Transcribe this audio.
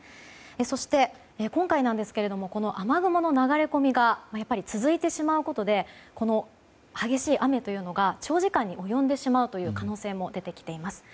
そして、今回なんですけれども雨雲の流れ込みが続いてしまうことで激しい雨というのが長時間に及んでしまう可能性も出てきています。